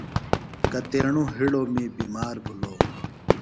کتیݨوۡ ہِڑوۡ می بِمار بِھلوۡ۔